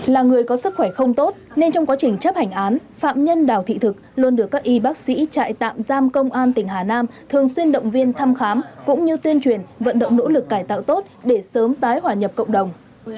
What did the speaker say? là người có sức khỏe không tốt nên trong quá trình chấp hành án phạm nhân đào thị thực luôn được các y bác sĩ trại tạm giam công an tỉnh hà nam thường xuyên động viên thăm khám cũng như tuyên truyền vận động nỗ lực cải tạo tốt để sớm tái hòa nhập cộng đồng